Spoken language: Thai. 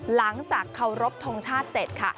หลังจากเคารพทงชาติเสร็จค่ะ